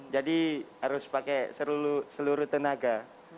jadi harus pakai seluruh tenaga